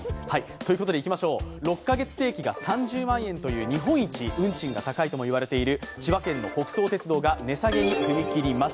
ということで６カ月定期が３０万円という日本一運賃が高いとも言われている千葉県の北総鉄道が値下げに踏み切ります。